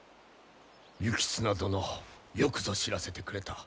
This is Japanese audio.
行綱殿よくぞ知らせてくれた。